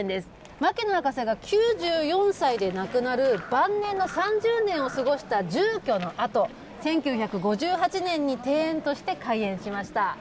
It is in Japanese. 牧野博士が９４歳で亡くなる晩年の３０年を過ごした住居の跡、１９５８年に庭園として開園しました。